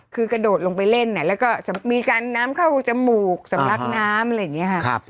คือกระโดดลงไปเล่นแล้วก็มีการน้ำเข้าจมูกสำลักน้ำอะไรอย่างนี้ค่ะ